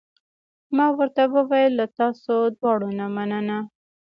ما ورته وویل: له تاسو دواړو نه مننه.